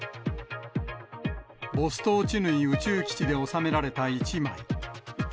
ボストーチヌイ宇宙基地で収められた一枚。